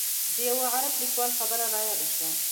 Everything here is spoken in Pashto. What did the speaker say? د یوه عرب لیکوال خبره رایاده شوه.